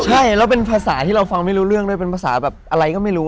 ใช่แล้วเป็นภาษาที่เราฟังไม่รู้เรื่องด้วยเป็นภาษาแบบอะไรก็ไม่รู้